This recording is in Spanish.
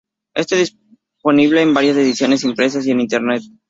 Está disponible en varias ediciones impresas y en Internet.